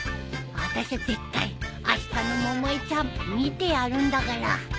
あたしゃ絶対あしたの百恵ちゃん見てやるんだから。